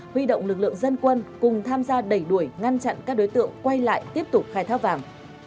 huy động lực lượng dân quân cùng tham gia đẩy đuổi ngăn chặn các đối tượng quay lại tiếp tục khai thác vàng